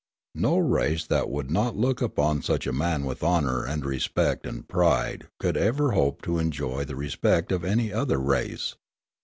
No race that would not look upon such a man with honour and respect and pride could ever hope to enjoy the respect of any other race.